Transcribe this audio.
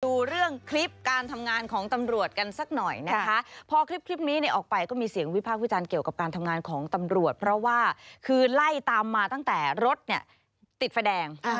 ดูเรื่องคลิปการทำงานของตำรวจกันสักหน่อยนะคะพอคลิปนี้เนี่ยออกไปก็มีเสียงวิพากษ์วิจารณ์เกี่ยวกับการทำงานของตำรวจเพราะว่าคือไล่ตามมาตั้งแต่รถเนี่ยติดไฟแดง